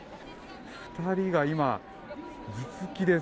２人が今、頭突きです。